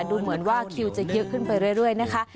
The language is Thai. ดูเหมือนว่าคิวจะเยอะขึ้นไปเรื่อยนะคะ